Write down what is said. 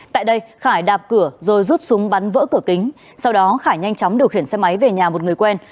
tại đây khải đạp cửa rồi rút súng bắn vỡ cửa kính sau đó khải nhanh chóng điều khiển xe máy về nhà một người quen